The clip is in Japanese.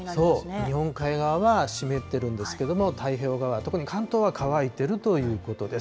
日本海側は湿ってるんですけども、太平洋側は、特に関東は乾いてるということです。